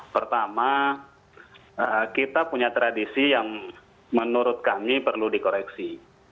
pertama kita punya tradisi yang menurut kami perlu dikoreksi